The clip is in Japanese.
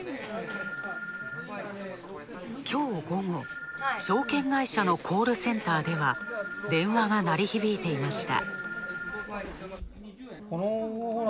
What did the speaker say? きょう午後、証券会社のコールセンターでは電話が鳴り響いていました。